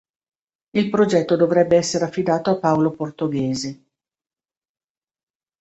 Il progetto dovrebbe essere affidato a Paolo Portoghesi.